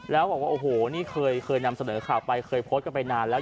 แล้วบอกว่าโอ้โหนี่เคยนำเสนอข่าวไปเคยโพสต์กันไปนานแล้ว